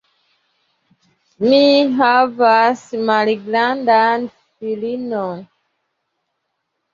Mi havas malgrandan filinon.